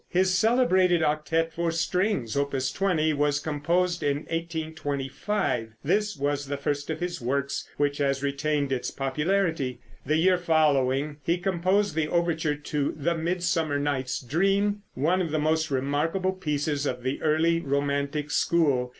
His celebrated octette for strings, Opus 20, was composed in 1825. This was the first of his works which has retained its popularity. The year following he composed the overture to "The Midsummer Night's Dream," one of the most remarkable pieces of the early romantic school.